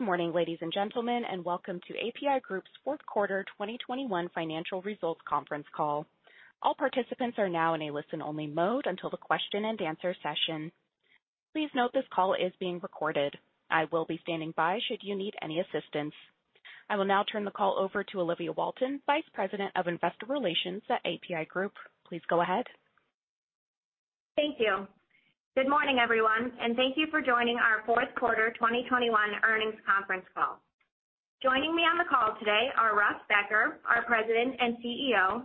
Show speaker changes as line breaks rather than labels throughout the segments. Good morning, ladies and gentlemen, and welcome to APi Group's fourth quarter 2021 financial results conference call. All participants are now in a listen-only mode until the question-and-answer session. Please note this call is being recorded. I will be standing by should you need any assistance. I will now turn the call over to Olivia Walton, Vice President of Investor Relations at APi Group. Please go ahead.
Thank you. Good morning, everyone, and thank you for joining our fourth quarter 2021 earnings conference call. Joining me on the call today are Russ Becker, our President and CEO,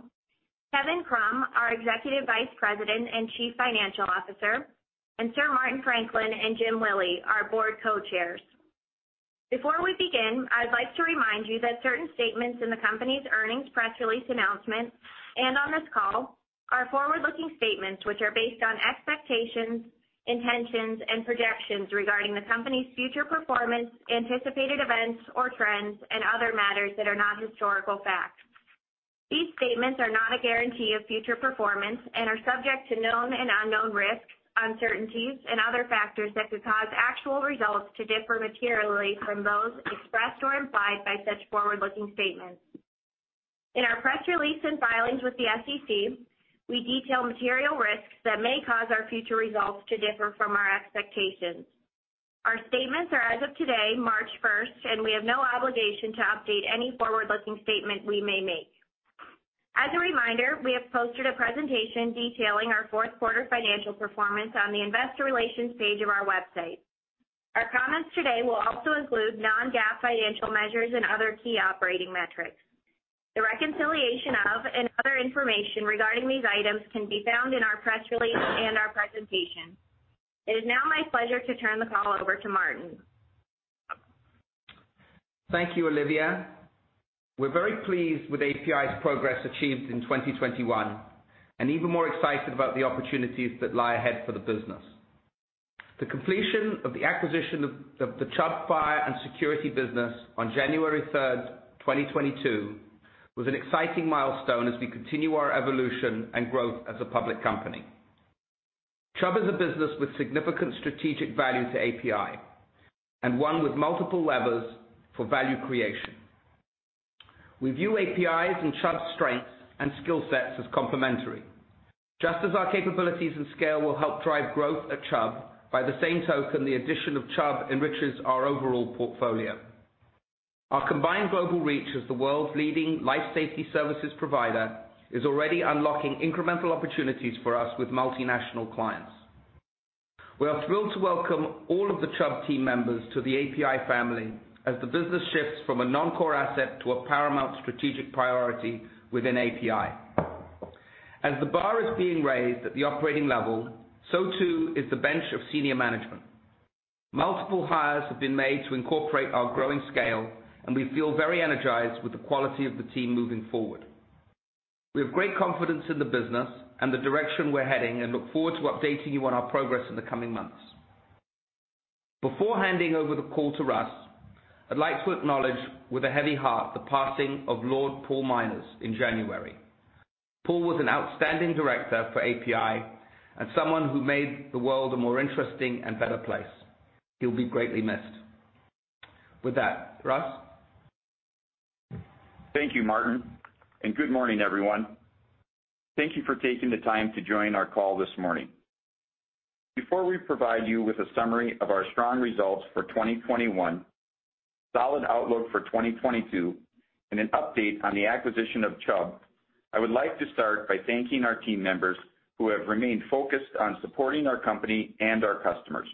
Kevin Krumm, our Executive Vice President and Chief Financial Officer, and Sir Martin Franklin and Jim Lillie, our board Co-Chairs. Before we begin, I'd like to remind you that certain statements in the company's earnings press release announcement and on this call are forward-looking statements which are based on expectations, intentions, and projections regarding the company's future performance, anticipated events or trends, and other matters that are not historical facts. These statements are not a guarantee of future performance and are subject to known and unknown risks, uncertainties, and other factors that could cause actual results to differ materially from those expressed or implied by such forward-looking statements. In our press release and filings with the SEC, we detail material risks that may cause our future results to differ from our expectations. Our statements are as of today, March first, and we have no obligation to update any forward-looking statement we may make. As a reminder, we have posted a presentation detailing our fourth quarter financial performance on the investor relations page of our website. Our comments today will also include non-GAAP financial measures and other key operating metrics. The reconciliation of and other information regarding these items can be found in our press release and our presentation. It is now my pleasure to turn the call over to Martin.
Thank you, Olivia. We're very pleased with APi's progress achieved in 2021 and even more excited about the opportunities that lie ahead for the business. The completion of the acquisition of the Chubb Fire & Security business on January 3, 2022 was an exciting milestone as we continue our evolution and growth as a public company. Chubb is a business with significant strategic value to APi and one with multiple levers for value creation. We view APi's and Chubb's strengths and skill sets as complementary. Just as our capabilities and scale will help drive growth at Chubb, by the same token, the addition of Chubb enriches our overall portfolio. Our combined global reach as the world's leading life safety services provider is already unlocking incremental opportunities for us with multinational clients. We are thrilled to welcome all of the Chubb team members to the APi family as the business shifts from a non-core asset to a paramount strategic priority within APi. As the bar is being raised at the operating level, so too is the bench of senior management. Multiple hires have been made to incorporate our growing scale, and we feel very energized with the quality of the team moving forward. We have great confidence in the business and the direction we're heading, and look forward to updating you on our progress in the coming months. Before handing over the call to Russ, I'd like to acknowledge with a heavy heart the passing of Lord Paul Myners in January. Paul was an outstanding director for APi and someone who made the world a more interesting and better place. He'll be greatly missed. With that, Russ.
Thank you, Martin, and good morning, everyone. Thank you for taking the time to join our call this morning. Before we provide you with a summary of our strong results for 2021, solid outlook for 2022, and an update on the acquisition of Chubb, I would like to start by thanking our team members who have remained focused on supporting our company and our customers.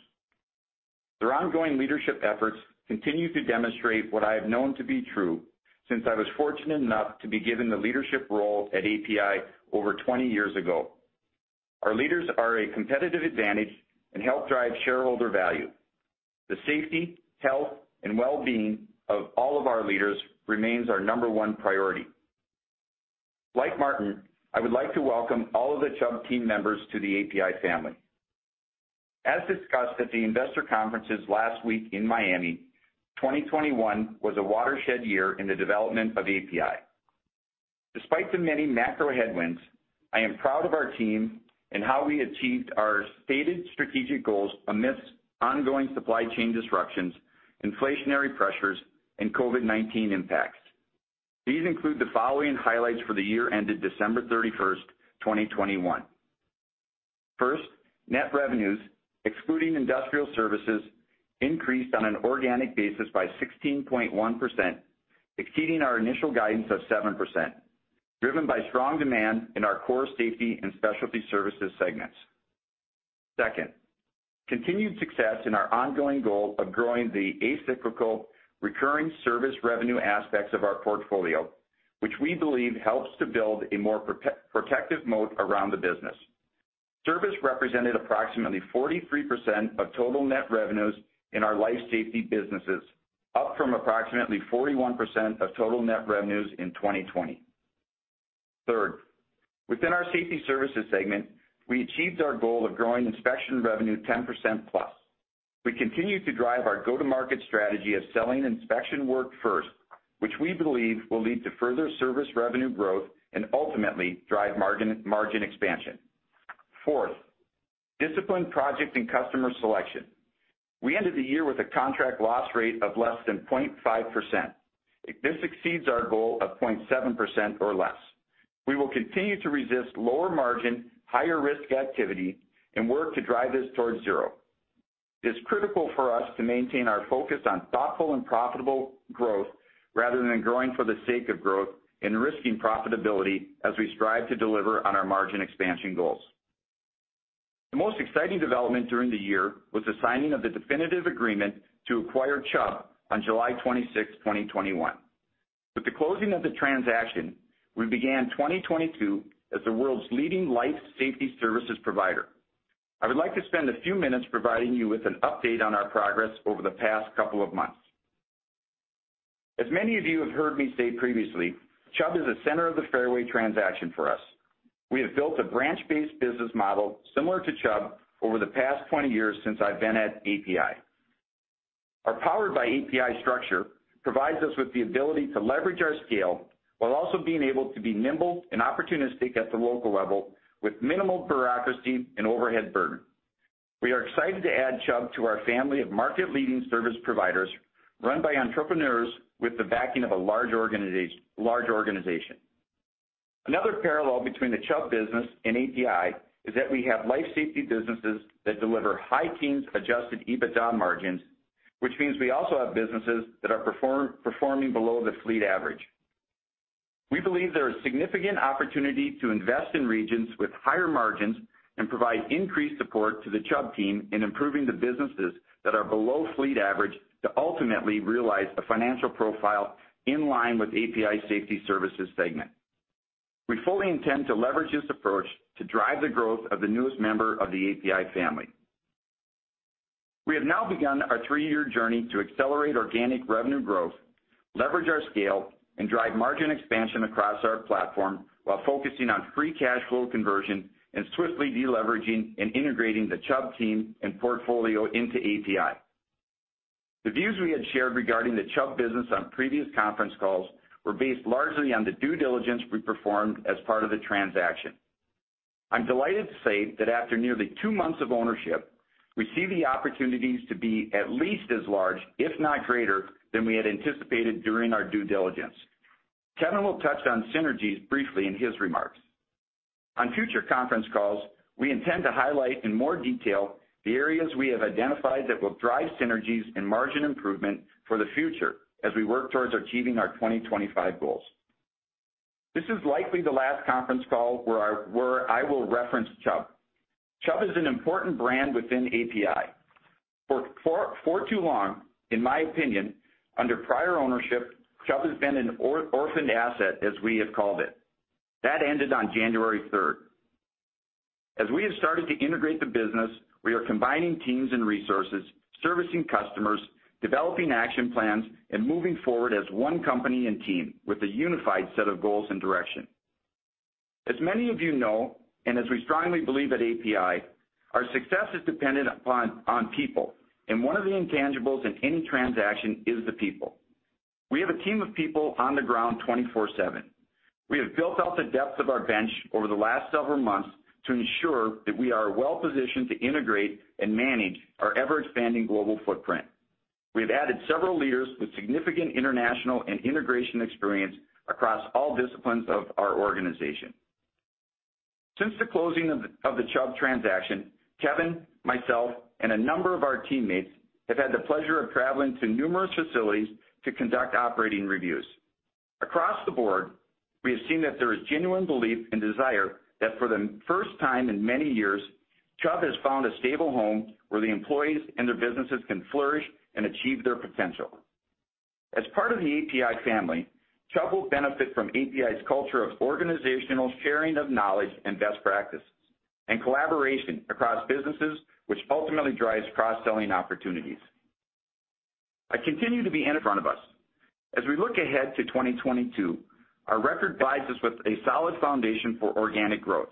Their ongoing leadership efforts continue to demonstrate what I have known to be true since I was fortunate enough to be given the leadership role at APi over 20 years ago. Our leaders are a competitive advantage and help drive shareholder value. The safety, health, and well-being of all of our leaders remains our number one priority. Like Martin, I would like to welcome all of the Chubb team members to the APi family. As discussed at the investor conferences last week in Miami, 2021 was a watershed year in the development of APi. Despite the many macro headwinds, I am proud of our team and how we achieved our stated strategic goals amidst ongoing supply chain disruptions, inflationary pressures, and COVID-19 impacts. These include the following highlights for the year ended December 31, 2021. First, net revenues, excluding Industrial Services, increased on an organic basis by 16.1%, exceeding our initial guidance of 7%, driven by strong demand in our core Safety and Specialty Services segments. Second, continued success in our ongoing goal of growing the acyclical recurring service revenue aspects of our portfolio, which we believe helps to build a more protective moat around the business. Services represented approximately 43% of total net revenues in our life safety businesses, up from approximately 41% of total net revenues in 2020. Third, within our Safety Services segment, we achieved our goal of growing inspection revenue 10%+. We continue to drive our go-to-market strategy of selling inspection work first, which we believe will lead to further service revenue growth and ultimately drive margin expansion. Fourth, disciplined project and customer selection. We ended the year with a contract loss rate of less than 0.5%. This exceeds our goal of 0.7% or less. We will continue to resist lower margin, higher risk activity and work to drive this towards zero. It's critical for us to maintain our focus on thoughtful and profitable growth rather than growing for the sake of growth and risking profitability as we strive to deliver on our margin expansion goals. The most exciting development during the year was the signing of the definitive agreement to acquire Chubb on July 26, 2021. With the closing of the transaction, we began 2022 as the world's leading life safety services provider. I would like to spend a few minutes providing you with an update on our progress over the past couple of months. As many of you have heard me say previously, Chubb is a center of the fairway transaction for us. We have built a branch-based business model similar to Chubb over the past 20 years since I've been at APi. Our Powered by APi structure provides us with the ability to leverage our scale while also being able to be nimble and opportunistic at the local level with minimal bureaucracy and overhead burden. We are excited to add Chubb to our family of market-leading service providers run by entrepreneurs with the backing of a large organization. Another parallel between the Chubb business and APi is that we have life safety businesses that deliver high teens adjusted EBITDA margins, which means we also have businesses that are performing below the fleet average. We believe there are significant opportunities to invest in regions with higher margins and provide increased support to the Chubb team in improving the businesses that are below fleet average to ultimately realize a financial profile in line with APi Safety Services segment. We fully intend to leverage this approach to drive the growth of the newest member of the APi family. We have now begun our three-year journey to accelerate organic revenue growth, leverage our scale, and drive margin expansion across our platform while focusing on free cash flow conversion and swiftly deleveraging and integrating the Chubb team and portfolio into APi. The views we had shared regarding the Chubb business on previous conference calls were based largely on the due diligence we performed as part of the transaction. I'm delighted to say that after nearly two months of ownership, we see the opportunities to be at least as large, if not greater, than we had anticipated during our due diligence. Kevin will touch on synergies briefly in his remarks. On future conference calls, we intend to highlight in more detail the areas we have identified that will drive synergies and margin improvement for the future as we work towards achieving our 2025 goals. This is likely the last conference call where I will reference Chubb. Chubb is an important brand within APi. For too long, in my opinion, under prior ownership, Chubb has been an orphaned asset, as we have called it. That ended on January third. As we have started to integrate the business, we are combining teams and resources, servicing customers, developing action plans, and moving forward as one company and team with a unified set of goals and direction. As many of you know, and as we strongly believe at APi, our success is dependent upon people, and one of the intangibles in any transaction is the people. We have a team of people on the ground 24/7. We have built out the depth of our bench over the last several months to ensure that we are well-positioned to integrate and manage our ever-expanding global footprint. We have added several leaders with significant international and integration experience across all disciplines of our organization. Since the closing of the Chubb transaction, Kevin, myself, and a number of our teammates have had the pleasure of traveling to numerous facilities to conduct operating reviews. Across the board, we have seen that there is genuine belief and desire that for the first time in many years, Chubb has found a stable home where the employees and their businesses can flourish and achieve their potential. As part of the APi family, Chubb will benefit from APi's culture of organizational sharing of knowledge and best practices and collaboration across businesses which ultimately drives cross-selling opportunities. I continue to be in front of us. As we look ahead to 2022, our record provides us with a solid foundation for organic growth.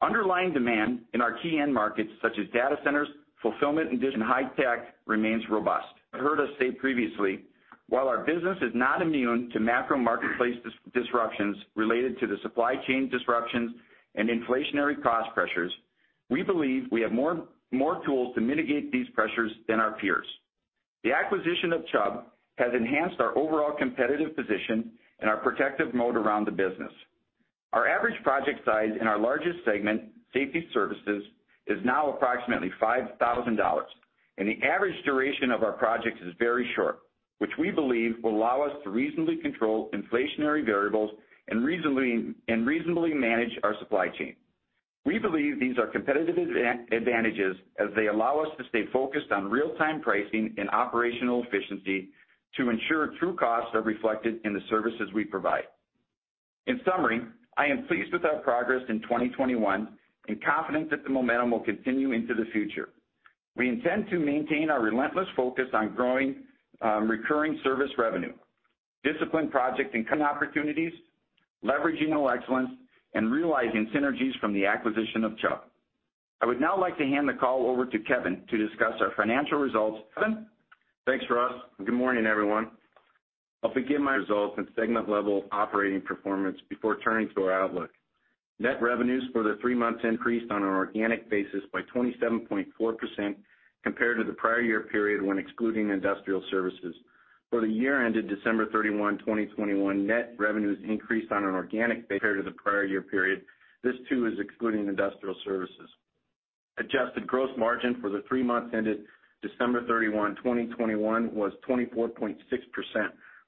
Underlying demand in our key end markets such as data centers, fulfillment, and high tech remains robust. You heard us say previously, while our business is not immune to macro marketplace disruptions related to the supply chain disruptions and inflationary cost pressures, we believe we have more tools to mitigate these pressures than our peers. The acquisition of Chubb has enhanced our overall competitive position and our protective mode around the business.
Our average project size in our largest segment, Safety Services, is now approximately $5,000, and the average duration of our projects is very short, which we believe will allow us to reasonably control inflationary variables and reasonably manage our supply chain. We believe these are competitive advantages as they allow us to stay focused on real-time pricing and operational efficiency to ensure true costs are reflected in the services we provide. In summary, I am pleased with our progress in 2021 and confident that the momentum will continue into the future. We intend to maintain our relentless focus on growing recurring service revenue, disciplined project and contract opportunities, leveraging excellence, and realizing synergies from the acquisition of Chubb. I would now like to hand the call over to Kevin to discuss our financial results. Kevin? Thanks, Russ. Good morning, everyone. I'll begin my results at segment level operating performance before turning to our outlook. Net revenues for the three months increased on an organic basis by 27.4% compared to the prior year period when excluding industrial services. For the year ended December 31, 2021, net revenues increased on an organic basis compared to the prior year period. This too is excluding industrial services. Adjusted gross margin for the three months ended December 31, 2021 was 24.6%,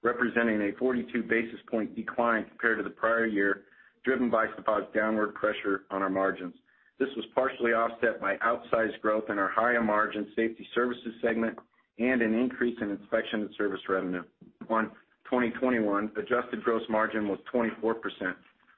representing a 42 basis point decline compared to the prior year, driven by supply downward pressure on our margins. This was partially offset by outsized growth in our higher margin safety services segment and an increase in inspection and service revenue. In 2021, adjusted gross margin was 24%,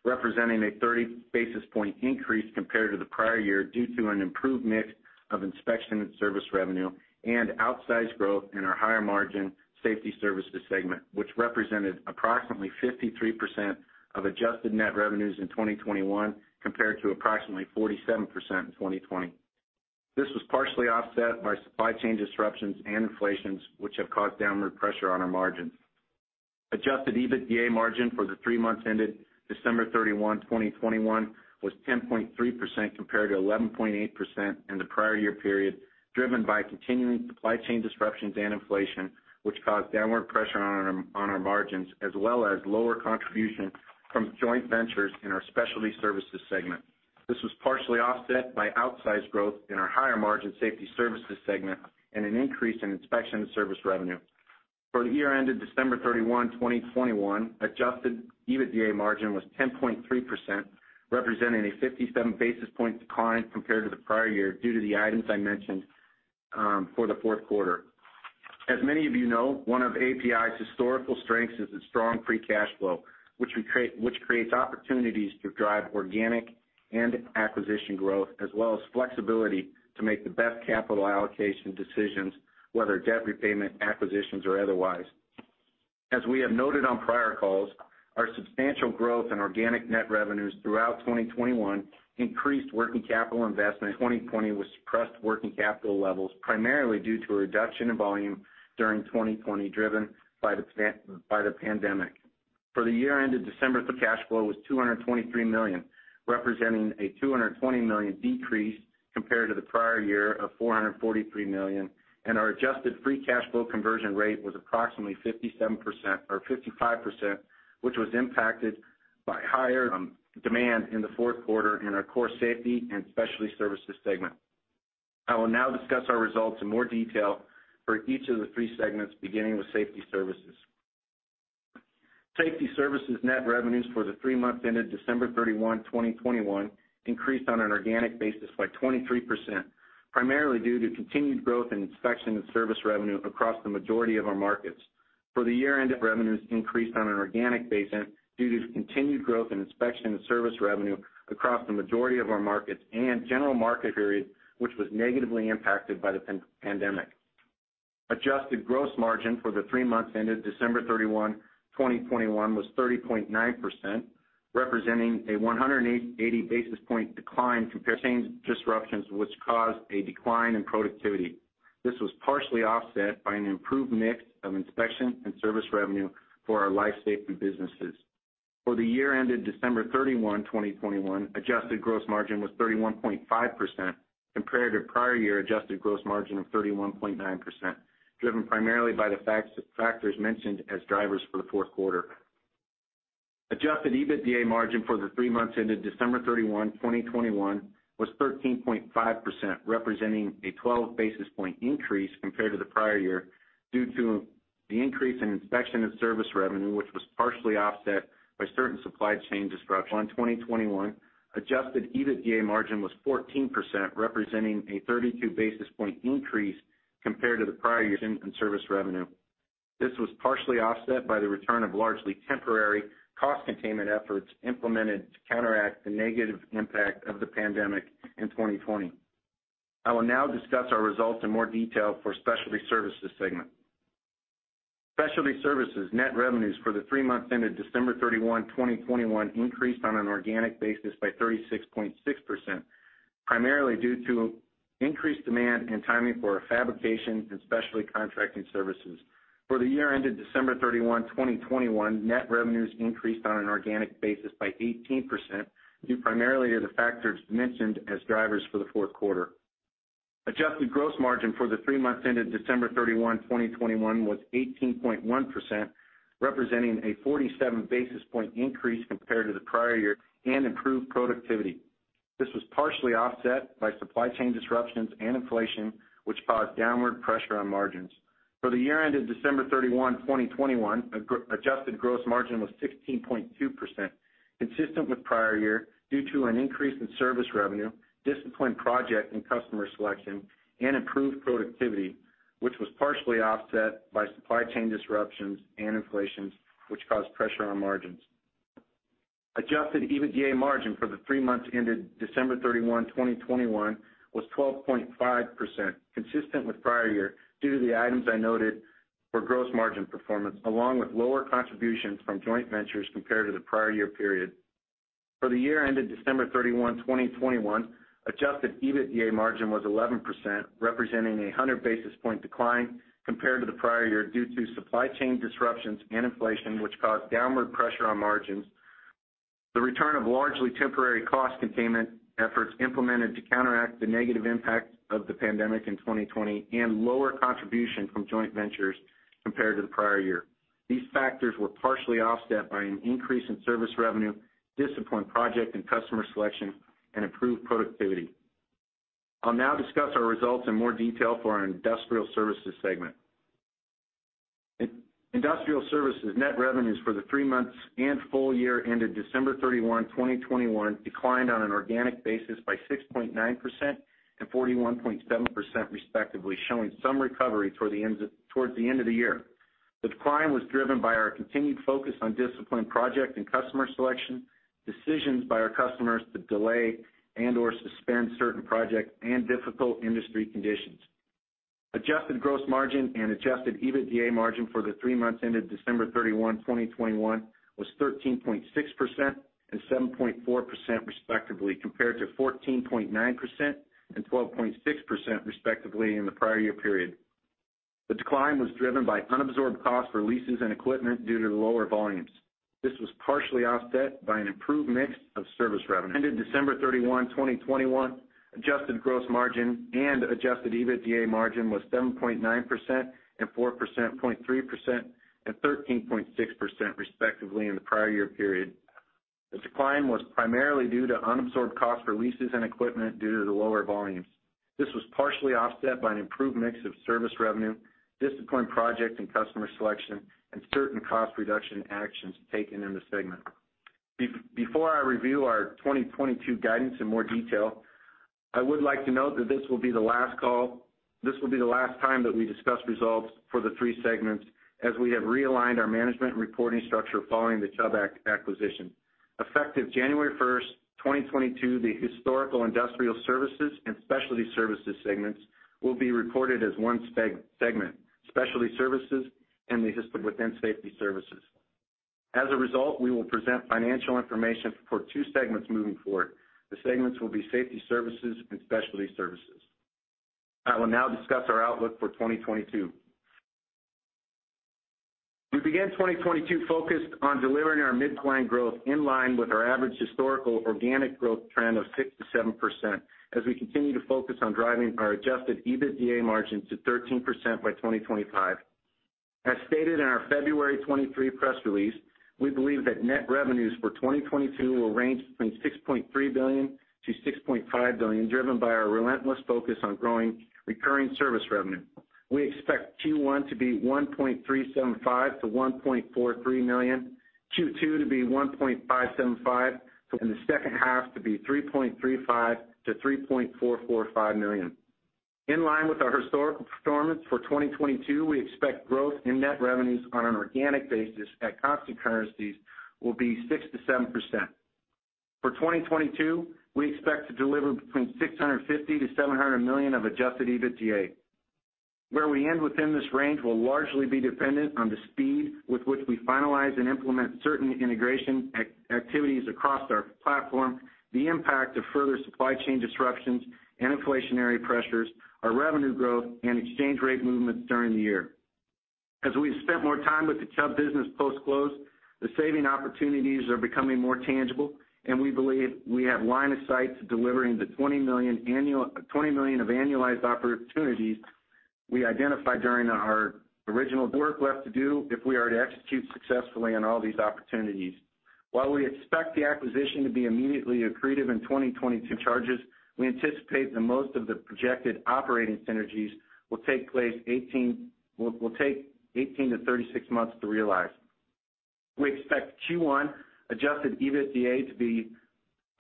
representing a 30 basis point increase compared to the prior year due to an improved mix of inspection and service revenue and outsized growth in our higher margin Safety Services segment, which represented approximately 53% of adjusted net revenues in 2021 compared to approximately 47% in 2020. This was partially offset by supply chain disruptions and inflation, which have caused downward pressure on our margins. Adjusted EBITDA margin for the three months ended December 31, 2021 was 10.3% compared to 11.8% in the prior year period, driven by continuing supply chain disruptions and inflation, which caused downward pressure on our margins as well as lower contribution from joint ventures in our Specialty Services segment. This was partially offset by outsized growth in our higher margin Safety Services segment and an increase in inspection service revenue. For the year ended December 31, 2021, adjusted EBITDA margin was 10.3%, representing a 57 basis point decline compared to the prior year due to the items I mentioned for the fourth quarter. As many of you know, one of APi's historical strengths is its strong free cash flow, which creates opportunities to drive organic and acquisition growth, as well as flexibility to make the best capital allocation decisions, whether debt repayment, acquisitions or otherwise. As we have noted on prior calls, our substantial growth in organic net revenues throughout 2021 increased working capital investment. Twenty twenty had suppressed working capital levels primarily due to a reduction in volume during 2020 driven by the pandemic. For the year ended December, cash flow was $223 million, representing a $220 million decrease compared to the prior year of $443 million. Our adjusted free cash flow conversion rate was approximately 57% or 55%, which was impacted by higher demand in the fourth quarter in our core Safety Services and Specialty Services segment. I will now discuss our results in more detail for each of the three segments, beginning with Safety Services. Safety Services net revenues for the three months ended December 31, 2021 increased on an organic basis by 23%, primarily due to continued growth in inspection and service revenue across the majority of our markets. For the year ended December 31, 2021, revenues increased on an organic basis due to continued growth in inspection and service revenue across the majority of our markets and general market conditions, which were negatively impacted by the pandemic. Adjusted gross margin for the three months ended December 31, 2021 was 30.9%, representing a 180 basis point decline due to disruptions which caused a decline in productivity. This was partially offset by an improved mix of inspection and service revenue for our life safety businesses. For the year ended December 31, 2021, adjusted gross margin was 31.5% compared to prior year adjusted gross margin of 31.9%, driven primarily by the factors mentioned as drivers for the fourth quarter. Adjusted EBITDA margin for the three months ended December 31, 2021 was 13.5%, representing a 12 basis point increase compared to the prior year due to the increase in inspection and service revenue, which was partially offset by certain supply chain disruptions. On 2021, adjusted EBITDA margin was 14%, representing a 32 basis point increase compared to the prior year in service revenue. This was partially offset by the return of largely temporary cost containment efforts implemented to counteract the negative impact of the pandemic in 2020. I will now discuss our results in more detail for Specialty Services segment. Specialty Services net revenues for the three months ended December 31, 2021 increased on an organic basis by 36.6%, primarily due to increased demand and timing for our fabrication and specialty contracting services. For the year ended December 31, 2021, net revenues increased on an organic basis by 18% due primarily to the factors mentioned as drivers for the fourth quarter. Adjusted gross margin for the three months ended December 31, 2021 was 18.1%, representing a 47 basis point increase compared to the prior year and improved productivity. This was partially offset by supply chain disruptions and inflation, which caused downward pressure on margins. For the year ended December 31, 2021, adjusted gross margin was 16.2%, consistent with prior year due to an increase in service revenue, disciplined project and customer selection, and improved productivity, which was partially offset by supply chain disruptions and inflation, which caused pressure on margins. Adjusted EBITDA margin for the three months ended December 31, 2021, was 12.5%, consistent with prior year due to the items I noted for gross margin performance, along with lower contributions from joint ventures compared to the prior year period. For the year ended December 31, 2021, adjusted EBITDA margin was 11%, representing a 100 basis point decline compared to the prior year due to supply chain disruptions and inflation, which caused downward pressure on margins, the return of largely temporary cost containment efforts implemented to counteract the negative impact of the pandemic in 2020, and lower contribution from joint ventures compared to the prior year. These factors were partially offset by an increase in service revenue, disciplined project and customer selection, and improved productivity. I'll now discuss our results in more detail for our Industrial Services segment. Industrial Services net revenues for the three months and full year ended December 31, 2021, declined on an organic basis by 6.9% and 41.7% respectively, showing some recovery towards the end of the year. The decline was driven by our continued focus on disciplined project and customer selection, decisions by our customers to delay and/or suspend certain projects, and difficult industry conditions. Adjusted gross margin and adjusted EBITDA margin for the three months ended December 31, 2021, was 13.6% and 7.4% respectively, compared to 14.9% and 12.6% respectively in the prior year period. The decline was driven by unabsorbed costs for leases and equipment due to lower volumes. This was partially offset by an improved mix of service revenue. ended December 31, 2021, adjusted gross margin and adjusted EBITDA margin were 7.9% and 4.3% respectively in the prior year period. The decline was primarily due to unabsorbed costs for leases and equipment due to the lower volumes. This was partially offset by an improved mix of service revenue, disciplined project and customer selection, and certain cost reduction actions taken in the segment. Before I review our 2022 guidance in more detail, I would like to note that this will be the last call. This will be the last time that we discuss results for the three segments as we have realigned our management and reporting structure following the Chubb acquisition. Effective January 1, 2022, the historical Industrial Services and Specialty Services segments will be reported as one segment, Specialty Services. As a result, we will present financial information for two segments moving forward. The segments will be Safety Services and Specialty Services. I will now discuss our outlook for 2022. We began 2022 focused on delivering our midpoint growth in line with our average historical organic growth trend of 6%-7% as we continue to focus on driving our adjusted EBITDA margin to 13% by 2025. As stated in our February 2023 press release, we believe that net revenues for 2022 will range between $6.3 billion-$6.5 billion, driven by our relentless focus on growing recurring service revenue. We expect Q1 to be $1.375 million-$1.43 million, Q2 to be $1.575 million, and the second half to be $3.35 million-$3.445 million. In line with our historical performance for 2022, we expect growth in net revenues on an organic basis at constant currencies will be 6%-7%. For 2022, we expect to deliver between $650 million and $700 million of adjusted EBITDA. Where we end within this range will largely be dependent on the speed with which we finalize and implement certain integration activities across our platform, the impact of further supply chain disruptions and inflationary pressures, our revenue growth, and exchange rate movements during the year. As we've spent more time with the Chubb business post-close, the savings opportunities are becoming more tangible, and we believe we have line of sight to delivering the $20 million of annualized opportunities we identified during our original work left to do if we are to execute successfully on all these opportunities. While we expect the acquisition to be immediately accretive in 2022, we anticipate that most of the projected operating synergies will take 18-36 months to realize. We expect Q1 adjusted EBITDA to be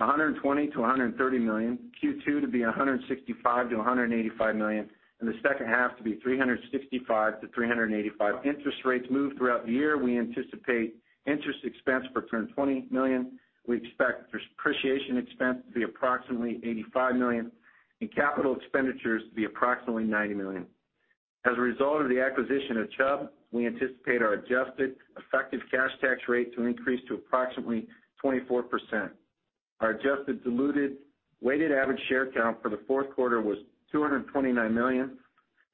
$120 million-$130 million, Q2 to be $165 million-$185 million, and the second half to be $365 million-$385 million. Interest rates move throughout the year. We anticipate interest expense to be around $20 million. We expect appreciation expense to be approximately $85 million and capital expenditures to be approximately $90 million. As a result of the acquisition of Chubb, we anticipate our adjusted effective cash tax rate to increase to approximately 24%. Our adjusted diluted weighted average share count for the fourth quarter was 229 million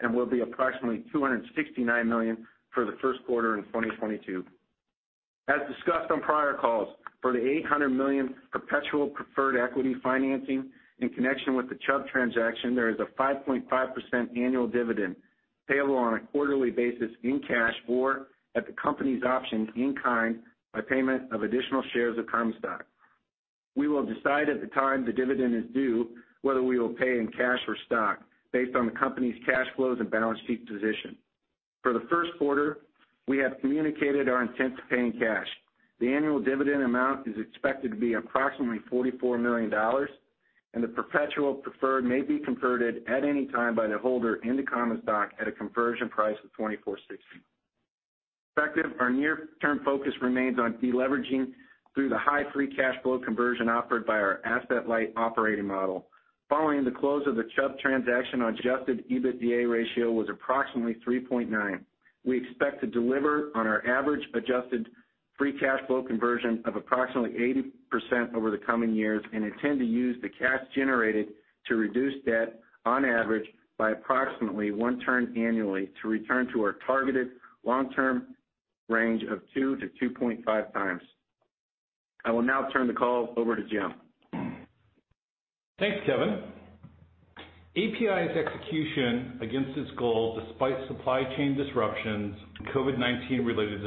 and will be approximately 269 million for the first quarter in 2022. As discussed on prior calls, for the $800 million perpetual preferred equity financing in connection with the Chubb transaction, there is a 5.5% annual dividend payable on a quarterly basis in cash or at the company's option, in kind, by payment of additional shares of common stock. We will decide at the time the dividend is due whether we will pay in cash or stock based on the company's cash flows and balance sheet position. For the first quarter, we have communicated our intent to pay in cash. The annual dividend amount is expected to be approximately $44 million, and the perpetual preferred may be converted at any time by the holder into common stock at a conversion price of 24.60. Effectively, our near-term focus remains on de-leveraging through the high free cash flow conversion offered by our asset-light operating model. Following the close of the Chubb transaction, our net leverage ratio was approximately 3.9. We expect to deliver on our average adjusted free cash flow conversion of approximately 80% over the coming years, and intend to use the cash generated to reduce debt on average by approximately one turn annually to return to our targeted long-term range of 2-2.5 times. I will now turn the call over to James.
Thanks, Kevin. APi's execution against its goal despite supply chain disruptions and COVID-19 related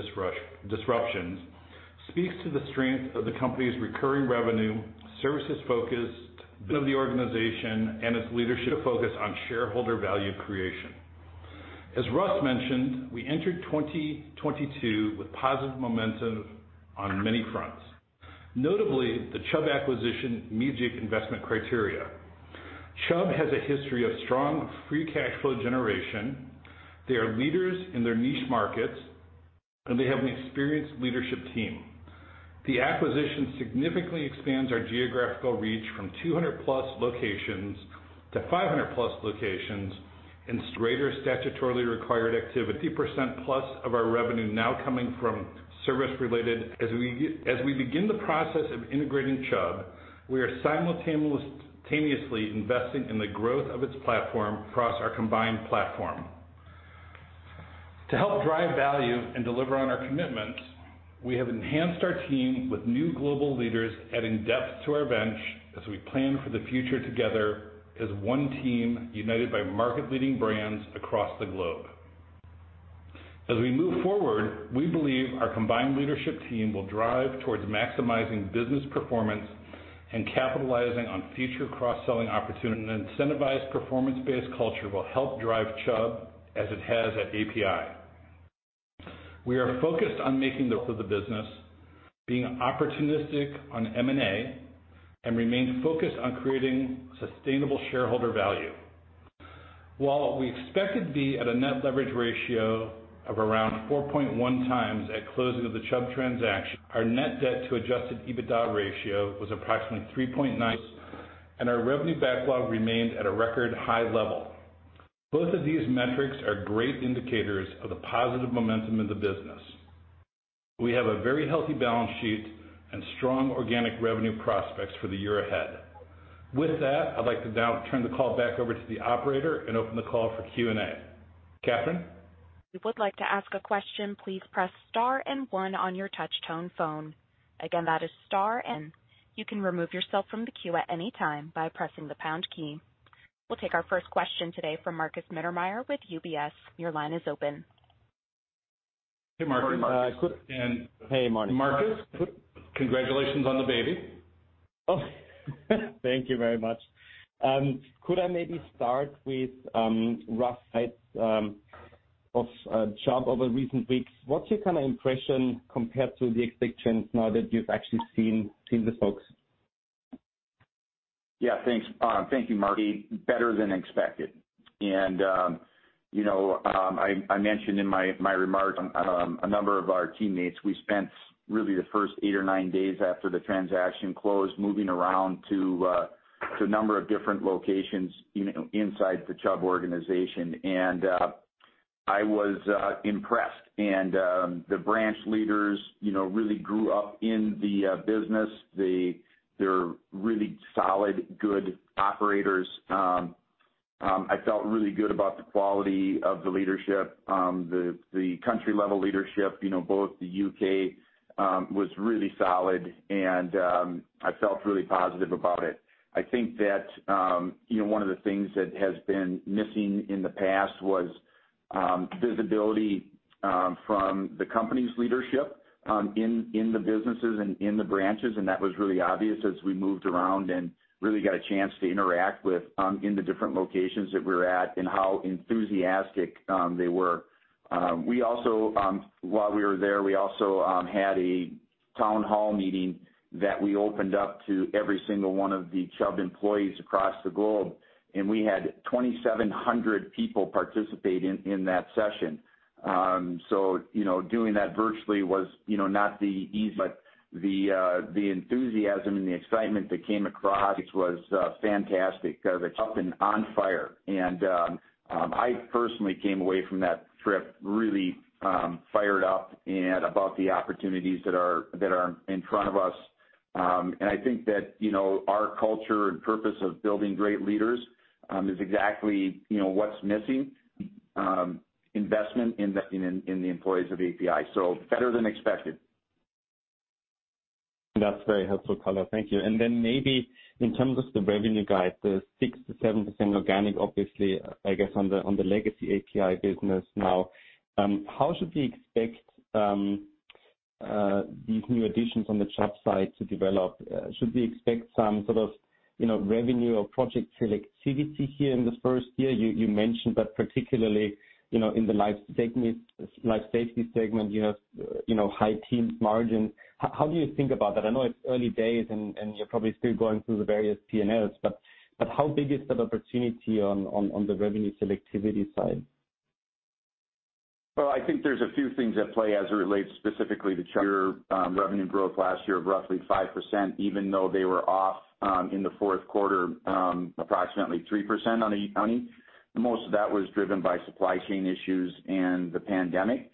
disruptions speaks to the strength of the company's recurring revenue, services-focused business of the organization, and its leadership focus on shareholder value creation. As Russ mentioned, we entered 2022 with positive momentum on many fronts. Notably, the Chubb acquisition met investment criteria. Chubb has a history of strong free cash flow generation. They are leaders in their niche markets, and they have an experienced leadership team. The acquisition significantly expands our geographical reach from 200+ locations to 500+ locations and greater statutorily required activity. 50%+ of our revenue now coming from service-related. As we begin the process of integrating Chubb, we are simultaneously investing in the growth of its platform across our combined platform. To help drive value and deliver on our commitments, we have enhanced our team with new global leaders, adding depth to our bench as we plan for the future together as one team united by market-leading brands across the globe. As we move forward, we believe our combined leadership team will drive towards maximizing business performance and capitalizing on future cross-selling opportunities. An incentivized performance-based culture will help drive Chubb as it has at APi. We are focused on making the rest of the business, being opportunistic on M&A, and remain focused on creating sustainable shareholder value. While we expect to be at a net leverage ratio of around 4.1x at closing of the Chubb transaction, our net debt to adjusted EBITDA ratio was approximately 3.9, and our revenue backlog remained at a record high level. Both of these metrics are great indicators of the positive momentum in the business. We have a very healthy balance sheet and strong organic revenue prospects for the year ahead. With that, I'd like to now turn the call back over to the operator and open the call for Q&A. Catherine?
We'll take our first question today from Markus Mittermaier with UBS. Your line is open.
Hey, Markus.
Good morning, Markus.
And-
Hey, morning.
Markus, congratulations on the baby.
Oh, thank you very much. Could I maybe start with rough size of Chubb over recent weeks? What's your kind of impression compared to the expectations now that you've actually seen the folks?
Yeah. Thanks, thank you, Marty. Better than expected. You know, I mentioned in my remarks a number of our teammates. We spent really the first eight or nine days after the transaction closed, moving around to a number of different locations, you know, inside the Chubb organization. I was impressed. The branch leaders, you know, really grew up in the business. They're really solid, good operators. I felt really good about the quality of the leadership. The country level leadership, you know, both the U.K. was really solid and I felt really positive about it. I think that you know one of the things that has been missing in the past was visibility from the company's leadership in the businesses and in the branches and that was really obvious as we moved around and really got a chance to interact with in the different locations that we're at and how enthusiastic they were. We also while we were there had a town hall meeting that we opened up to every single one of the Chubb employees across the globe and we had 2,700 people participate in that session. You know doing that virtually was you know not the easiest but the enthusiasm and the excitement that came across was fantastic. They're on fire. I personally came away from that trip really fired up and about the opportunities that are in front of us. I think that, you know, our culture and purpose of building great leaders is exactly, you know, what's missing investment in the employees of APi. Better than expected.
That's very helpful color. Thank you. Then maybe in terms of the revenue guide, the 6%-7% organic, obviously, I guess, on the legacy APi business now, how should we expect these new additions on the Chubb side to develop? Should we expect some sort of, you know, revenue or project selectivity here in the first year? You mentioned that particularly, you know, in the life safety segment, you have, you know, high teens margin. How do you think about that? I know it's early days and you're probably still going through the various P&Ls, but how big is the opportunity on the revenue selectivity side?
Well, I think there's a few things at play as it relates specifically to Chubb. Revenue growth last year of roughly 5%, even though they were off in the fourth quarter approximately 3% on a constant currency. Most of that was driven by supply chain issues and the pandemic.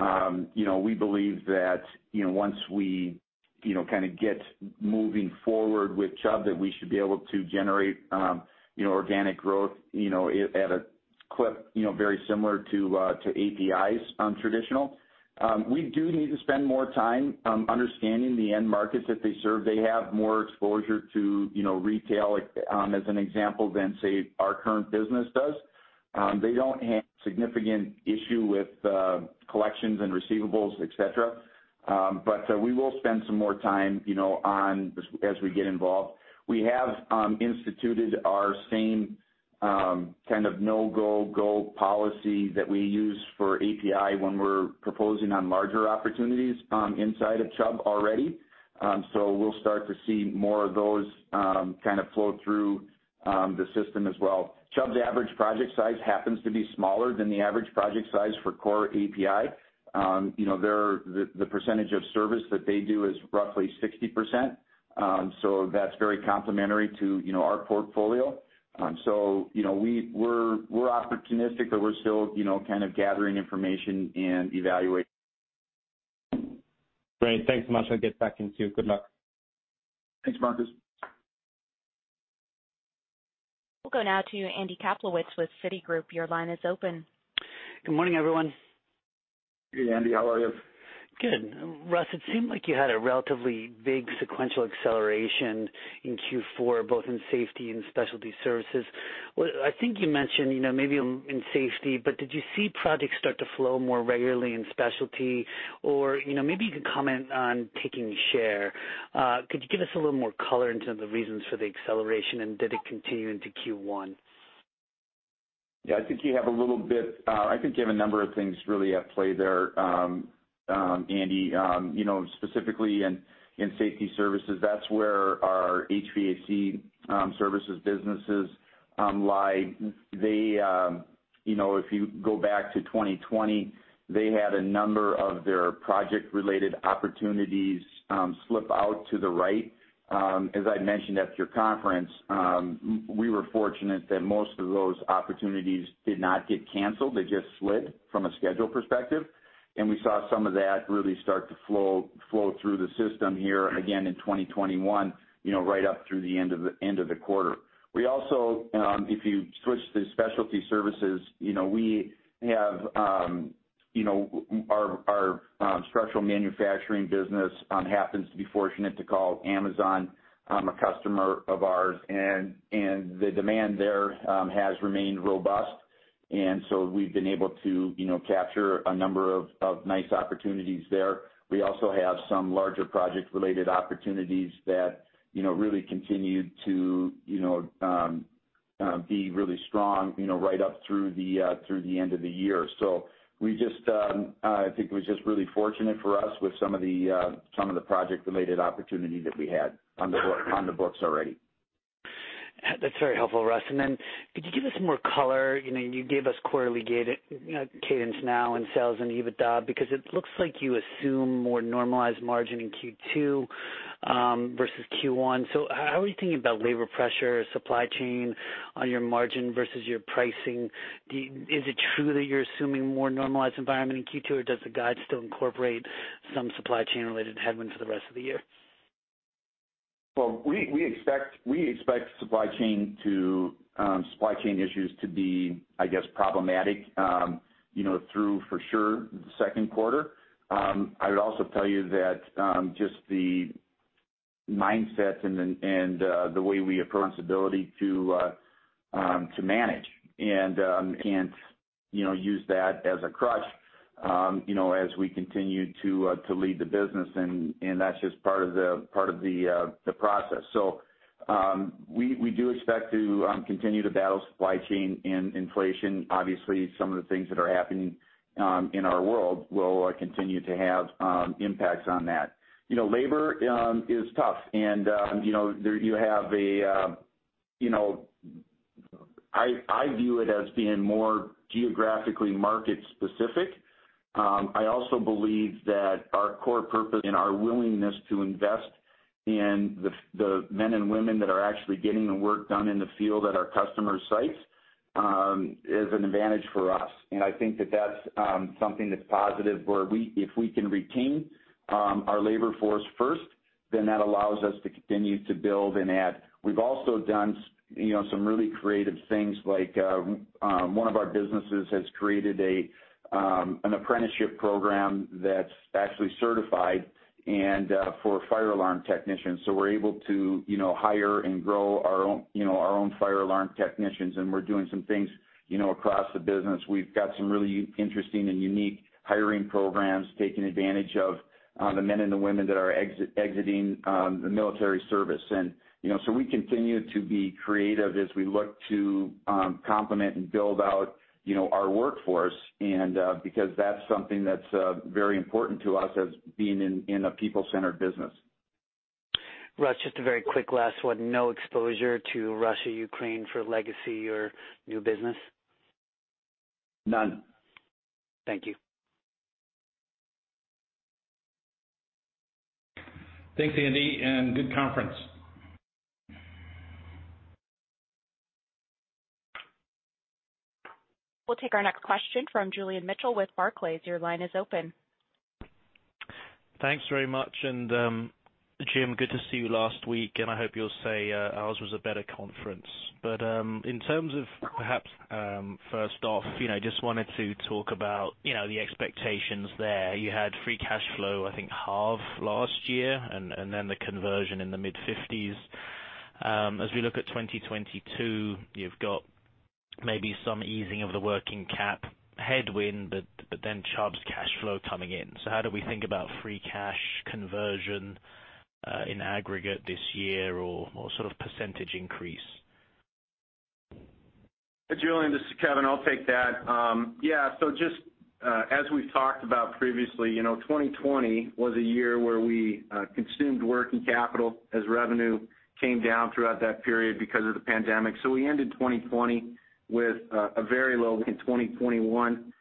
You know, we believe that once we kind of get moving forward with Chubb, that we should be able to generate organic growth at a clip very similar to APi's traditional. We do need to spend more time understanding the end markets that they serve. They have more exposure to retail, as an example, than say, our current business does. They don't have significant issue with collections and receivables, et cetera. We will spend some more time, you know, on as we get involved. We have instituted our same kind of no-go, go policy that we use for APi when we're proposing on larger opportunities inside of Chubb already. We'll start to see more of those kind of flow through the system as well. Chubb's average project size happens to be smaller than the average project size for core APi. You know, the percentage of service that they do is roughly 60%, so that's very complementary to, you know, our portfolio. You know, we're opportunistic, but we're still, you know, kind of gathering information and evaluating.
Great. Thanks so much. I'll get back in to you. Good luck.
Thanks, Marcus.
We'll go now to Andrew Kaplowitz with Citigroup. Your line is open.
Good morning, everyone.
Hey, Andy. How are you?
Good. Russ, it seemed like you had a relatively big sequential acceleration in Q4, both in Safety and Specialty Services. I think you mentioned, you know, maybe in Safety, but did you see projects start to flow more regularly in Specialty, or, you know, maybe you could comment on taking share. Could you give us a little more color in terms of reasons for the acceleration, and did it continue into Q1?
Yeah, I think you have a number of things really at play there, Andy. You know, specifically in Safety Services, that's where our HVAC services businesses lie. They, you know, if you go back to 2020, they had a number of their project-related opportunities slip out to the right. As I mentioned at your conference, we were fortunate that most of those opportunities did not get canceled. They just slid from a schedule perspective. We saw some of that really start to flow through the system here again in 2021, you know, right up through the end of the quarter. We also, if you switch to Specialty Services, you know, we have, you know, our structural manufacturing business happens to be fortunate to call Amazon a customer of ours. The demand there has remained robust. We've been able to, you know, capture a number of nice opportunities there. We also have some larger project-related opportunities that, you know, really continued to, you know, be really strong, you know, right up through the end of the year. We just, I think it was just really fortunate for us with some of the project-related opportunity that we had on the books already.
That's very helpful, Russ. Could you give us more color? You know, you gave us quarterly cadence now in sales and EBITDA, because it looks like you assume more normalized margin in Q2 versus Q1. How are you thinking about labor pressure, supply chain on your margin versus your pricing? Is it true that you're assuming more normalized environment in Q2, or does the guide still incorporate some supply chain related headwinds for the rest of the year?
Well, we expect supply chain issues to be, I guess, problematic, you know, through for sure the second quarter. I would also tell you that just the mindset and then the way we approach ability to manage and you know use that as a crutch you know as we continue to lead the business and that's just part of the process. We do expect to continue to battle supply chain and inflation. Obviously, some of the things that are happening in our world will continue to have impacts on that. You know, labor is tough and you know there you have a you know. I view it as being more geographically market specific. I also believe that our core purpose and our willingness to invest in the men and women that are actually getting the work done in the field at our customer sites is an advantage for us. I think that that's something that's positive where if we can retain our labor force first, then that allows us to continue to build and add. We've also done, you know, some really creative things like one of our businesses has created an apprenticeship program that's actually certified and for fire alarm technicians. We're able to, you know, hire and grow our own, you know, our own fire alarm technicians, and we're doing some things, you know, across the business. We've got some really interesting and unique hiring programs, taking advantage of the men and the women that are exiting the military service. You know, we continue to be creative as we look to complement and build out, you know, our workforce and because that's something that's very important to us as being in a people-centered business.
Russ, just a very quick last one. No exposure to Russia, Ukraine for legacy or new business?
None.
Thank you.
Thanks, Andy, and good conference.
We'll take our next question from Julian Mitchell with Barclays. Your line is open.
Thanks very much. James, good to see you last week, and I hope you'll say ours was a better conference. In terms of perhaps first off, you know, just wanted to talk about you know the expectations there. You had free cash flow, I think, halve last year, and then the conversion in the mid-50s%. As we look at 2022, you've got maybe some easing of the working cap headwind, but then Chubb's cash flow coming in. How do we think about free cash conversion in aggregate this year or sort of percentage increase?
Hey, Julian, this is Kevin. I'll take that. Yeah, so just as we've talked about previously, you know, 2020 was a year where we consumed working capital as revenue came down throughout that period because of the pandemic. We ended 2020 with a very low in 2021.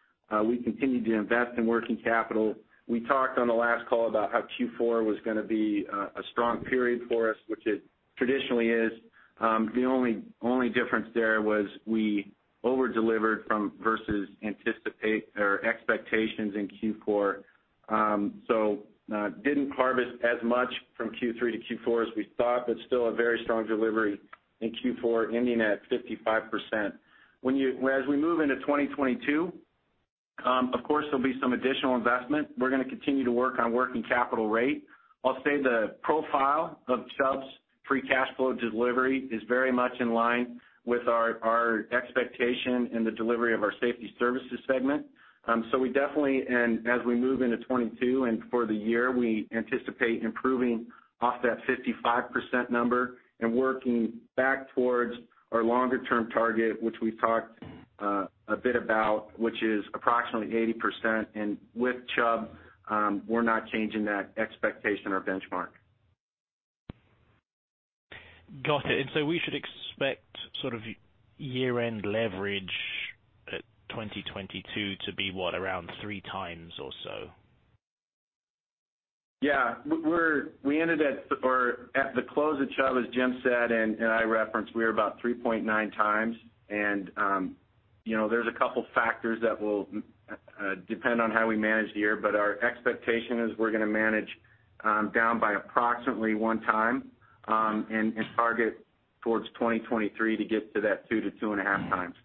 We continued to invest in working capital. We talked on the last call about how Q4 was gonna be a strong period for us, which it traditionally is. The only difference there was we over-delivered versus anticipated expectations in Q4. We didn't harvest as much from Q3 to Q4 as we thought, but still a very strong delivery in Q4, ending at 55%. As we move into 2022, of course, there'll be some additional investment. We're gonna continue to work on working capital rate. I'll say the profile of Chubb's free cash flow delivery is very much in line with our expectation in the delivery of our Safety Services segment. We definitely and as we move into 2022 and for the year, we anticipate improving off that 55% number and working back towards our longer-term target, which we've talked a bit about, which is approximately 80%. With Chubb, we're not changing that expectation or benchmark.
Got it. We should expect sort of year-end leverage at 2022 to be, what, around 3 times or so?
Yeah. We ended at the close of Chubb, as Jim said and I referenced, we were about 3.9 times. You know, there's a couple factors that will depend on how we manage the year, but our expectation is we're gonna manage down by approximately one time, and target towards 2023 to get to that 2-2.5 times.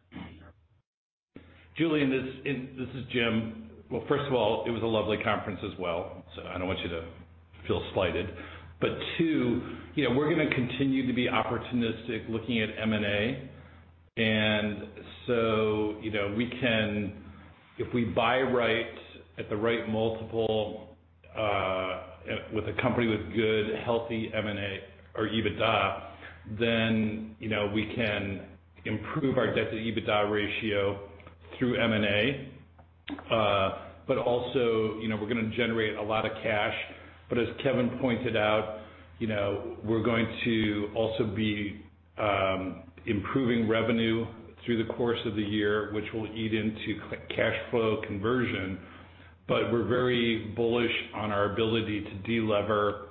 Julian, this is James. Well, first of all, it was a lovely conference as well, so I don't want you to feel slighted. Two, you know, we're gonna continue to be opportunistic looking at M&A. You know, we can if we buy right at the right multiple with a company with good, healthy M&A or EBITDA, then you know, we can improve our debt-to-EBITDA ratio through M&A. But also, you know, we're gonna generate a lot of cash. As Kevin pointed out, you know, we're going to also be improving revenue through the course of the year, which will eat into cash flow conversion. We're very bullish on our ability to delever,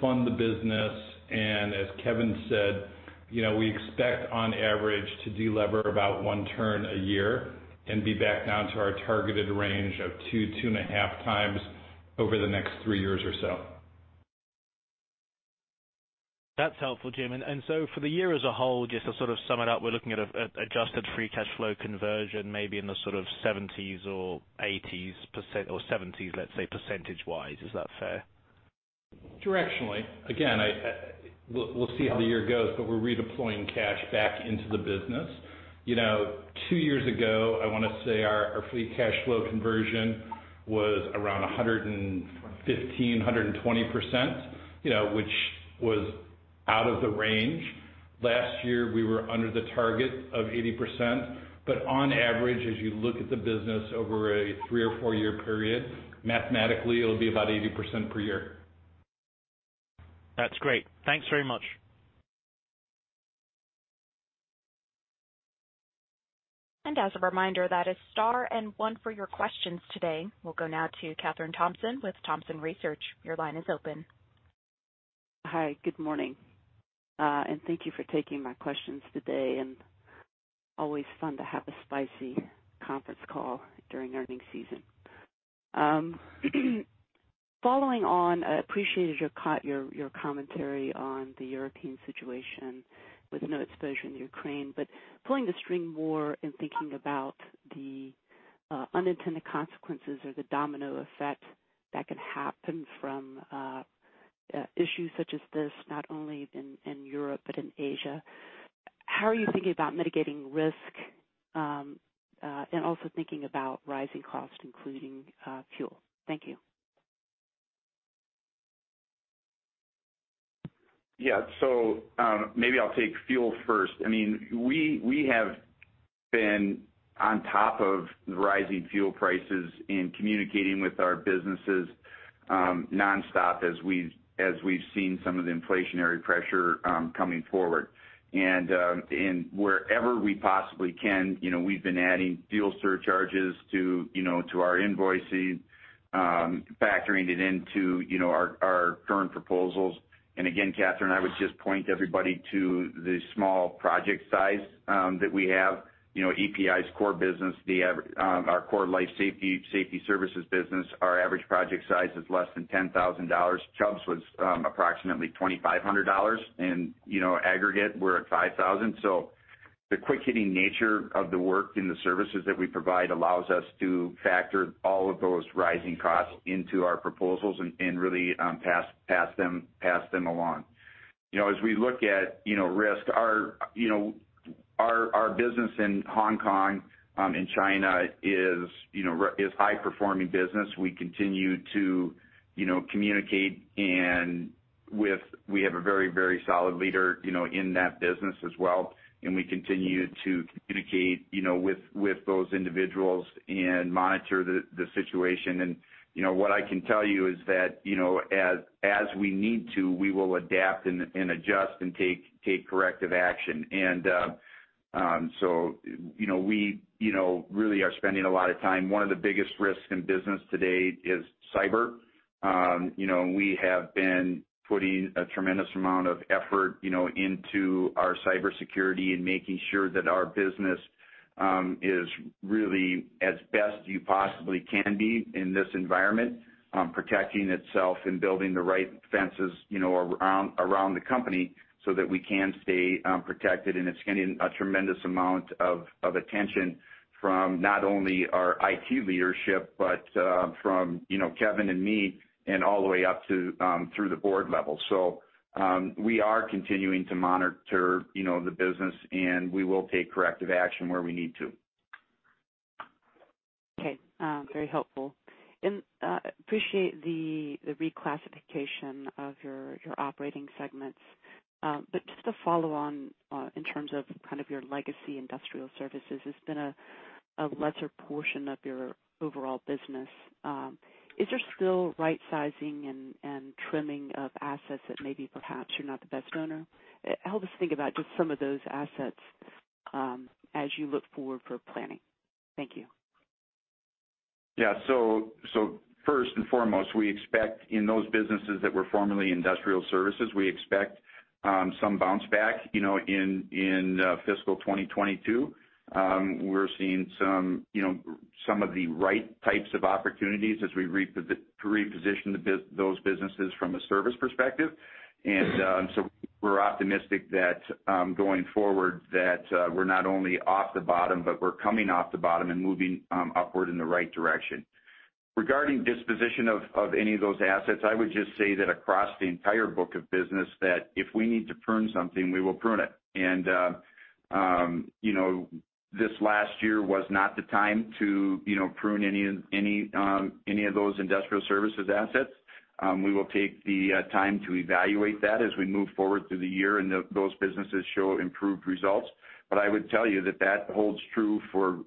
fund the business. As Kevin said, you know, we expect on average to delever about 1 turn a year and be back down to our targeted range of 2-2.5 times over the next 3 years or so.
That's helpful, James. For the year as a whole, just to sort of sum it up, we're looking at a adjusted free cash flow conversion maybe in the sort of 70s or 80s% or 70s, let's say, percentage wise. Is that fair?
Directionally. Again, we'll see how the year goes, but we're redeploying cash back into the business. You know, two years ago, I wanna say our free cash flow conversion was around 115%-120%, you know, which was out of the range. Last year, we were under the target of 80%. On average, as you look at the business over a three or four-year period, mathematically, it'll be about 80% per year.
That's great. Thanks very much.
As a reminder, that is star and one for your questions today. We'll go now to Kathryn Thompson with Thompson Research. Your line is open.
Hi, good morning. Thank you for taking my questions today. Always fun to have a spicy conference call during earnings season. Following on, I appreciated your commentary on the European situation with no exposure in Ukraine. Pulling the string more in thinking about the unintended consequences or the domino effect that can happen from issues such as this, not only in Europe but in Asia, how are you thinking about mitigating risk and also thinking about rising costs, including fuel? Thank you.
Yeah. Maybe I'll take fuel first. I mean, we have been on top of the rising fuel prices and communicating with our businesses nonstop as we've seen some of the inflationary pressure coming forward. Wherever we possibly can, you know, we've been adding fuel surcharges to our invoicing, factoring it into our current proposals. Again, Catherine, I would just point everybody to the small project size that we have. You know, APi's core business, our core life safety services business, our average project size is less than $10,000. Chubb's was approximately $2,500 and, you know, aggregate, we're at $5,000. The quick hitting nature of the work and the services that we provide allows us to factor all of those rising costs into our proposals and really pass them along. As we look at risk, our business in Hong Kong in China is high performing business. We continue to communicate. We have a very solid leader in that business as well, and we continue to communicate with those individuals and monitor the situation. What I can tell you is that as we need to, we will adapt and adjust and take corrective action. We really are spending a lot of time. One of the biggest risks in business today is cyber. You know, we have been putting a tremendous amount of effort, you know, into our cybersecurity and making sure that our business is really as best you possibly can be in this environment, protecting itself and building the right fences, you know, around the company so that we can stay protected. It's getting a tremendous amount of attention from not only our IT leadership, but from, you know, Kevin and me, and all the way up to through the board level. We are continuing to monitor, you know, the business, and we will take corrective action where we need to.
Okay, very helpful. Appreciate the reclassification of your operating segments. Just to follow on, in terms of kind of your legacy Industrial Services, it's been a lesser portion of your overall business. Is there still rightsizing and trimming of assets that maybe perhaps you're not the best owner? Help us think about just some of those assets, as you look forward for planning. Thank you.
Yeah. First and foremost, we expect in those businesses that were formerly Industrial Services, we expect some bounce back, you know, in fiscal 2022. We're seeing some, you know, some of the right types of opportunities as we reposition those businesses from a service perspective. We're optimistic that going forward that we're not only off the bottom, but we're coming off the bottom and moving upward in the right direction. Regarding disposition of any of those assets, I would just say that across the entire book of business, that if we need to prune something, we will prune it. You know, this last year was not the time to prune any of those Industrial Services assets. We will take the time to evaluate that as we move forward through the year and those businesses show improved results. I would tell you that that holds true for,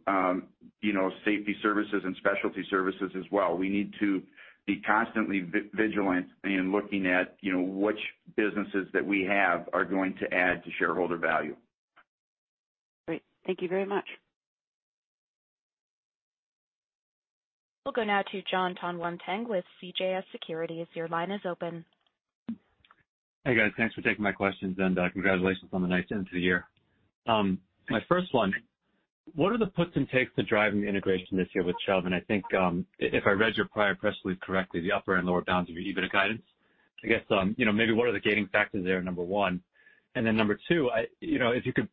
you know, Safety Services and Specialty Services as well. We need to be constantly vigilant in looking at, you know, which businesses that we have are going to add to shareholder value.
Great. Thank you very much.
We'll go now to Jon Tanwanteng with CJS Securities. Your line is open.
Hey, guys. Thanks for taking my questions. Congratulations on the nice end to the year. My first one, what are the puts and takes to driving the integration this year with Chubb? I think if I read your prior press release correctly, the upper and lower bounds of your EBITDA guidance. I guess you know, maybe what are the gating factors there, number one? Then number two, you know, if you could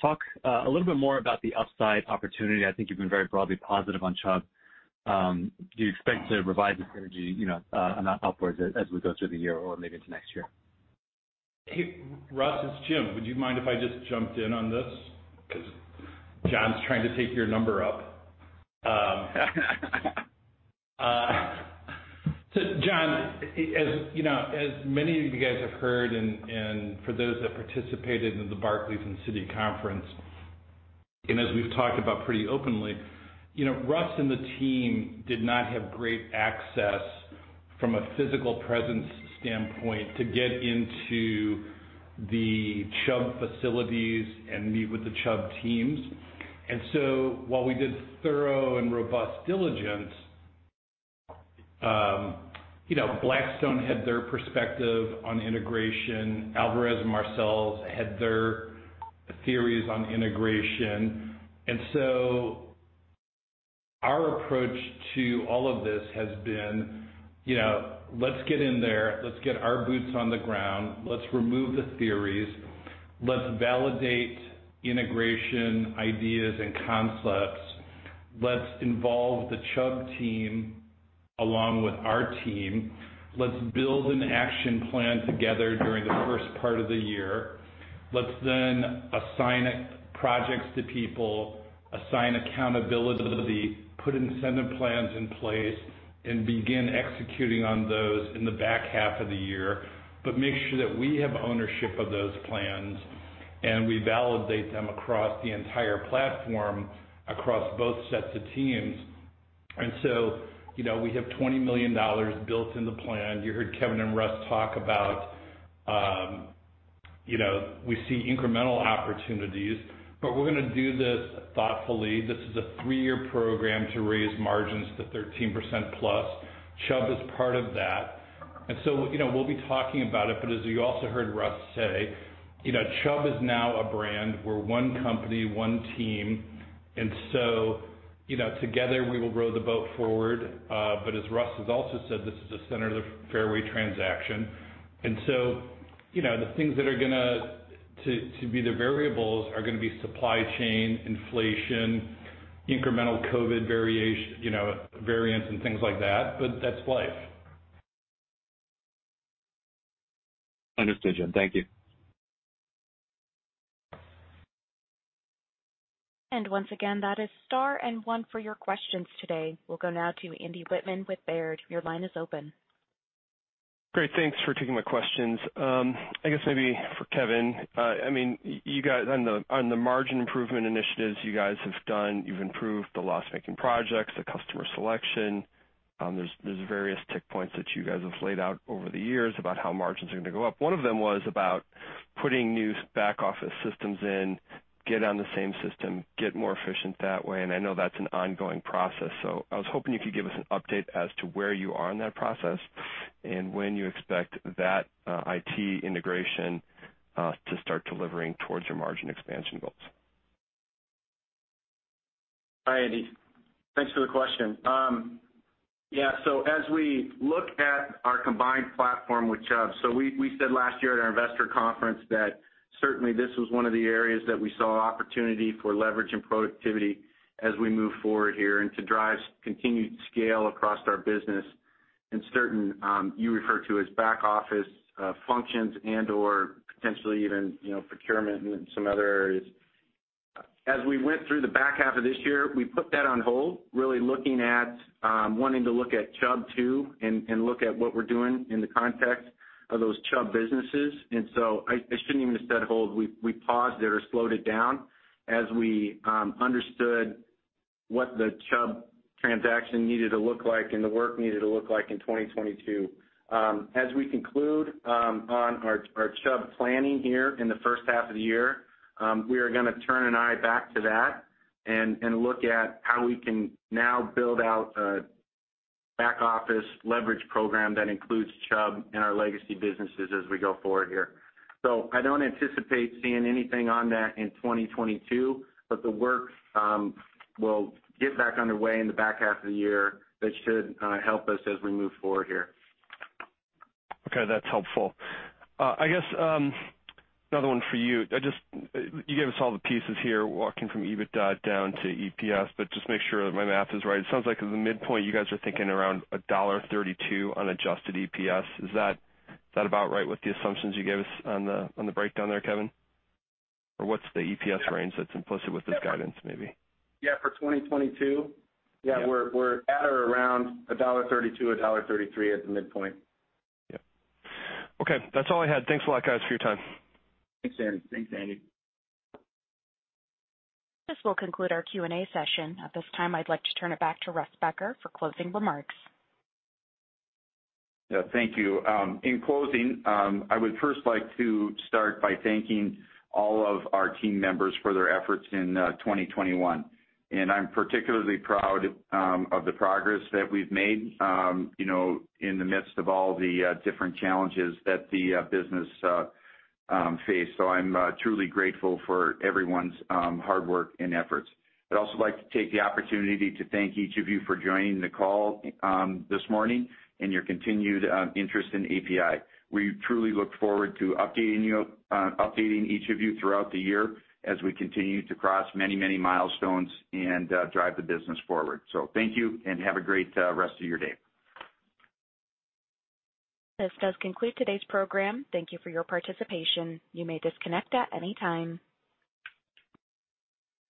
talk a little bit more about the upside opportunity. I think you've been very broadly positive on Chubb. Do you expect to revise the strategy, you know, upwards as we go through the year or maybe into next year?
Hey, Russ, it's Jim. Would you mind if I just jumped in on this? 'Cause John's trying to take your number up. So John, as you know, as many of you guys have heard and for those that participated in the Barclays and Citi conference, and as we've talked about pretty openly, you know, Russ and the team did not have great access from a physical presence standpoint to get into the Chubb facilities and meet with the Chubb teams. While we did thorough and robust diligence, you know, Blackstone had their perspective on integration. Alvarez & Marsal had their theories on integration. Our approach to all of this has been, you know, let's get in there, let's get our boots on the ground, let's remove the theories, let's validate integration ideas and concepts.
Let's involve the Chubb team along with our team. Let's build an action plan together during the first part of the year. Let's then assign projects to people, assign accountability, put incentive plans in place, and begin executing on those in the back half of the year. Make sure that we have ownership of those plans and we validate them across the entire platform, across both sets of teams.
You know, we have $20 million built in the plan. You heard Kevin and Russ talk about, you know, we see incremental opportunities, but we're gonna do this thoughtfully. This is a three-year program to raise margins to 13%+. Chubb is part of that. You know, we'll be talking about it. But as you also heard Russ say, you know, Chubb is now a brand. We're one company, one team, and so, you know, together we will row the boat forward. But as Russ has also said, this is a center of the fairway transaction. You know, the things that are gonna be the variables are gonna be supply chain, inflation, incremental COVID variants and things like that, but that's life.
Understood, James.Thank you.
Once again, that is star one for your questions today. We'll go now to Andy Wittmann with Baird. Your line is open.
Great. Thanks for taking my questions. I guess maybe for Kevin, I mean, you guys on the margin improvement initiatives you guys have done, you've improved the loss-making projects, the customer selection, there's various talking points that you guys have laid out over the years about how margins are gonna go up. One of them was about putting new back-office systems in, get on the same system, get more efficient that way, and I know that's an ongoing process. I was hoping you could give us an update as to where you are in that process and when you expect that IT integration to start delivering towards your margin expansion goals.
Hi, Andy. Thanks for the question. Yeah, as we look at our combined platform with Chubb, we said last year at our investor conference that certainly this was one of the areas that we saw opportunity for leverage and productivity as we move forward here and to drive continued scale across our business in certain, you refer to as back office, functions and/or potentially even, you know, procurement and some other areas. As we went through the back half of this year, we put that on hold, really looking at, wanting to look at Chubb too and look at what we're doing in the context of those Chubb businesses. I shouldn't even have said hold. We paused it or slowed it down as we understood what the Chubb transaction needed to look like and the work needed to look like in 2022. As we conclude on our Chubb planning here in the first half of the year, we are gonna turn an eye back to that and look at how we can now build out a back office leverage program that includes Chubb and our legacy businesses as we go forward here. I don't anticipate seeing anything on that in 2022, but the work will get back underway in the back half of the year. That should help us as we move forward here.
Okay, that's helpful. I guess, another one for you. You gave us all the pieces here, walking from EBITDA down to EPS, but just make sure that my math is right. It sounds like at the midpoint, you guys are thinking around $1.32 on adjusted EPS. Is that about right with the assumptions you gave us on the breakdown there, Kevin? Or what's the EPS range that's implicit with this guidance maybe?
Yeah, for 2022?
Yeah.
Yeah, we're at or around $1.32-$1.33 at the midpoint.
Yep. Okay, that's all I had. Thanks a lot, guys, for your time.
Thanks, Andy.
This will conclude our Q&A session. At this time, I'd like to turn it back to Russ Becker for closing remarks.
Yeah. Thank you. In closing, I would first like to start by thanking all of our team members for their efforts in 2021. I'm particularly proud of the progress that we've made, you know, in the midst of all the different challenges that the business faced. I'm truly grateful for everyone's hard work and efforts. I'd also like to take the opportunity to thank each of you for joining the call this morning and your continued interest in APi. We truly look forward to updating each of you throughout the year as we continue to cross many, many milestones and drive the business forward. Thank you, and have a great rest of your day.
This does conclude today's program. Thank you for your participation. You may disconnect at any time.